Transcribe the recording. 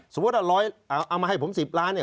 สมมุติว่าเอามาให้ผม๑๐ล้านเนี่ย